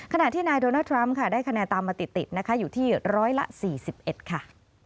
ขณะที่นายโดนัลดทรัมป์ค่ะได้คะแนนตามมาติดนะคะอยู่ที่๑๔๑ค่ะ